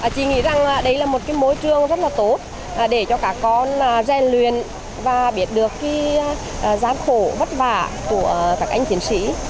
chị nghĩ rằng đây là một môi trường rất là tốt để cho cả con rèn luyện và biết được gián khổ vất vả của các anh chiến sĩ